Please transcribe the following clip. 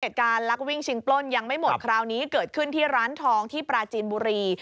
การลักวิ่งชิงปล้นยังไม่หมดคราวนี้เกิดขึ้นที่ร้านทองที่ปราจีนบุรี